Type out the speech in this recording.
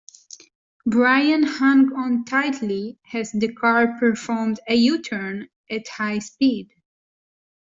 Brian hung on tightly as the car performed a U-turn at high speed.